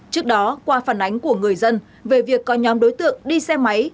trước đó qua phản ánh của người dân về việc có nhóm đối tượng đi xe máy